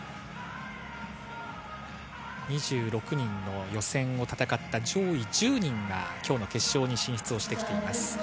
２６人の予選を戦った上位１０人が今日の決勝に進出しています。